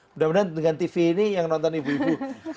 mudah mudahan dengan tv ini yang nonton ibu ibu